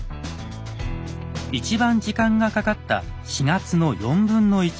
一番時間がかかった４月の1/4ほど。